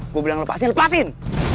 gue bilang lepasin lepasin